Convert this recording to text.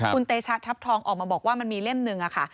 คุณเตชะทัพทองออกมาบอกว่ามันมีเล่มหนึ่งค่ะ